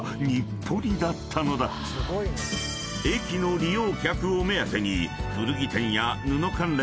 ［駅の利用客を目当てに］